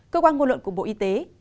cơ quan ngôn luận của bộ y tế